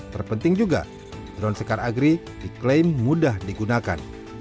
terpenting juga drone sekar agri diklaim mudah digunakan